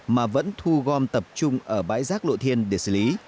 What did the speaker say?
mà vẫn thu gom tập trung ở bãi rác lộ thiên để xử lý